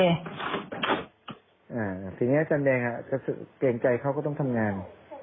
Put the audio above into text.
ทีนี้อาจารย์แดงเกรงใจเขาก็ต้องทำงาน